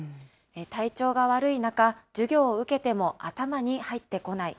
体調が悪い中、授業を受けても頭に入ってこない。